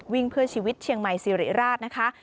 วิ่งเพื่อชีวิตเชียงใหม่สิริราชนะคะ